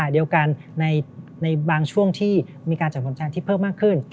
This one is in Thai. เดียวกันในบางช่วงที่มีการจัดผลงานที่เพิ่มมากขึ้น